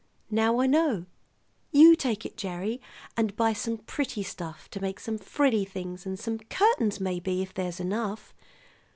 Now I know. You take it, Gerry, and buy some pretty stuff to make some frilly things, and some curtains, maybe if there's enough.